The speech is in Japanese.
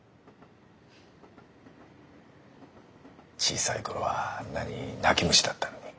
小さい頃はあんなに泣き虫だったのに。